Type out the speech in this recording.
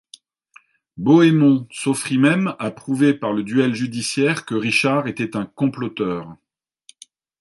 Bohémond s'offrit même à prouver par le duel judiciaire que Richard était un comploteur.